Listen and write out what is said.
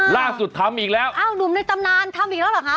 ล่าสุดทำอีกแล้วอ้าวหนุ่มในตำนานทำอีกแล้วเหรอคะ